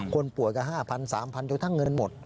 คนป่วยกับ๕๐๐๐๓๐๐๐บาทเดี๋ยวทั้งเงินหมด